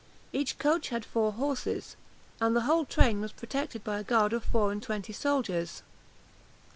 Each coach had four horses, and the whole train was protected by a guard of four and twenty soldiers.